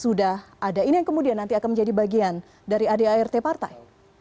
sudah ada ini yang kemudian nanti akan menjadi bagian dari adart partai